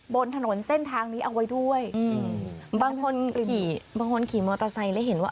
บนถนนเส้นทางนี้เอาไว้ด้วยอืมบางคนขี่บางคนขี่มอเตอร์ไซค์แล้วเห็นว่า